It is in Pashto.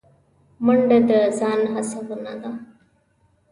منډه د ځان هڅونه ده